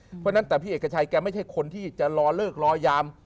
เพราะฉะนั้นแต่พี่เอกชัยแกไม่ใช่คนที่จะรอเลิกรอยาม